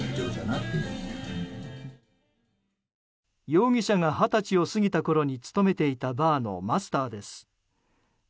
容疑者が二十歳を過ぎたころに勤めていたバーのマスターです。